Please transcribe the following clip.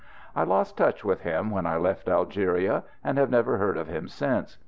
I lost touch with him when I left Algeria, and have never heard of him since.